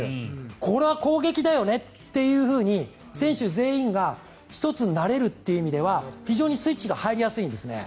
これは攻撃だよねと選手全員が一つになれるという意味では非常にスイッチが入りやすいんですね。